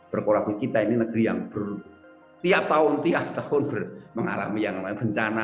berkolaborasi kita ini negeri yang tiap tahun tiap tahun mengalami yang namanya bencana